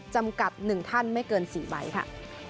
จำกัด๑ท่านไม่เกิน๔ใบค่ะ